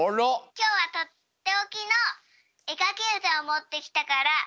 きょうはとっておきのえかきうたをもってきたからみんなにみてほしいな。